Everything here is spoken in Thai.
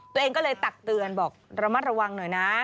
ตัวเองก็เลยตักเตือนบอกระมัดระวังหน่อยนะ